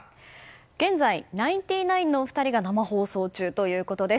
現在ナインティナインのお二人が生放送中ということです。